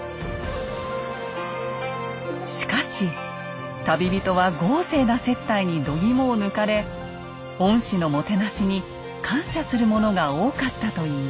しかし旅人は豪勢な接待にどぎもを抜かれ御師のもてなしに感謝する者が多かったといいます。